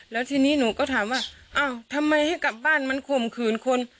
แล้วทีนี้หนูก็ถามว่าอ้าวทำไมให้กลับบ้านมันข่มขืนคน